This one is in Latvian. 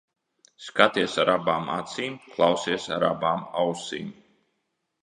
Skaties ar abām acīm, klausies ar abām ausīm.